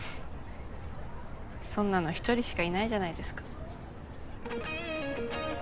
そんなの１人しかいないじゃないですか。